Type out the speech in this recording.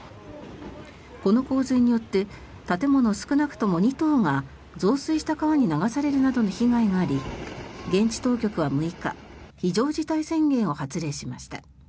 この洪水によって建物少なくとも２棟が増水した川に流されるなどの被害があり現地当局は６日非常事態宣言を発令しました。